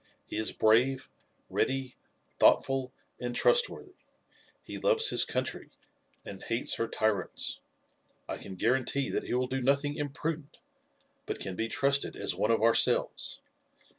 He is brave, ready, thoughtful and trustworthy. He loves his country and hates her tyrants. I can guarantee that he will do nothing imprudent, but can be trusted as one of ourselves.